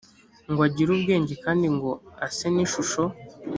ngo agire ubwenge kandi ngo ase n ishusho